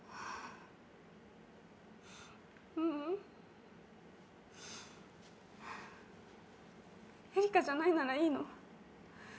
ううん、エリカじゃないならいいの。